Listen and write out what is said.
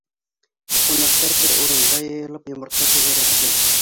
Ҡунаҡтар, бер урынға йыйылып, йомортҡа тәгәрәткән.